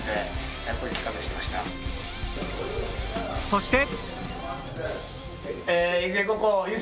そして。